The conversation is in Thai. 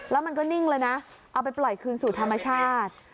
แล้วมันก็นิ่งเลยนะเอาไปปล่อยคืนสู่ธรรมชาติ